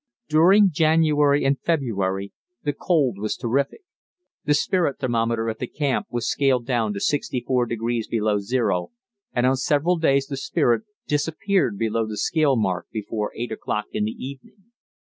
During January and February the cold was terrific. The spirit thermometer at the camp was scaled down to 64 degrees below zero, and on several days the spirit disappeared below the scale mark before 8 o'clock in the evening.